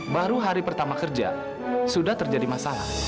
baru hari pertama kerja sudah terjadi masalah